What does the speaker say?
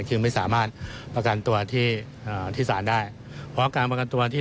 คือไม่สามารถประกันตัวที่ที่ศาลได้เพราะการประกันตัวที่